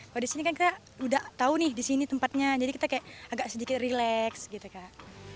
kalo disini kan kita udah tau nih disini tempatnya jadi kita kayak agak sedikit relax gitu kak